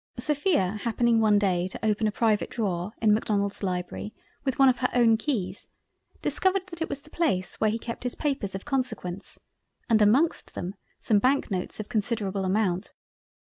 Sophia happening one day to open a private Drawer in Macdonald's Library with one of her own keys, discovered that it was the Place where he kept his Papers of consequence and amongst them some bank notes of considerable amount.